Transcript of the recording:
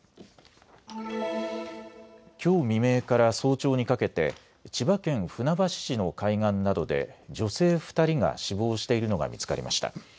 きょう未明から早朝にかけて千葉県船橋市の海岸などで女性２人が死亡しているのが見つかりました。